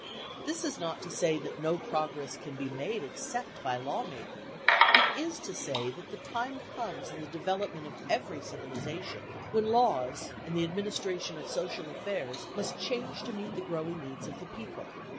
This is not to say that no progress can be made except by law making; it is to say that the time comes in the development of every civilisation when laws and the administration of social affairs must change to meet the growing needs of the people.